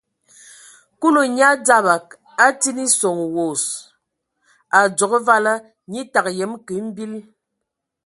Kulu nyaa dzabag, a atin eson wos, a udzogo vala, nye təgə yəm kə mbil.